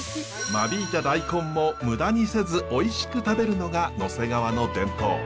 間引いたダイコンもムダにせずおいしく食べるのが野迫川の伝統。